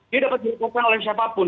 ini dapat dilakukan oleh siapapun